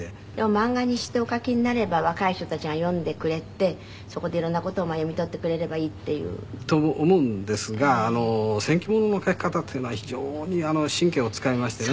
漫画にしてお描きになれば若い人たちが読んでくれてそこで色んな事を読み取ってくれればいいって。と思うんですが戦記物の描き方っていうのは非常に神経を使いましてね。